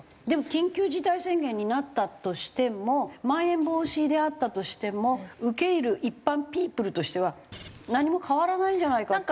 でも緊急事態宣言になったとしてもまん延防止であったとしても受け入る一般ピープルとしては何も変わらないんじゃないか。